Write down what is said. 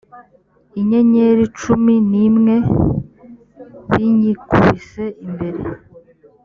inyenyeri cumi n imwe binyikubise imbere